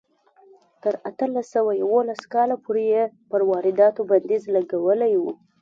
تر اتلس سوه یوولس کاله پورې یې پر وارداتو بندیز لګولی و.